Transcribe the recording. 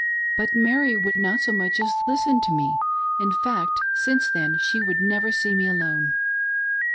But Mary would not so much as listen to me — in fact, since then she never would see me alone."